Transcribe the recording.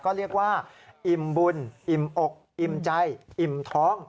ก็เรียกว่าอิ่มบุญอิ่มอกอิ่มใจอิ่มท้อง